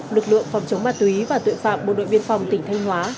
lực lượng phòng chống ma túy và tuệ phạm bộ đội viên phòng tỉnh thanh hóa